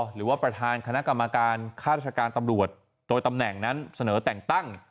หรือว่าประธานคณะกรรมการค่าราชการตำรวจโดยตำแหน่งนั้นเสนอแต่งตั้ง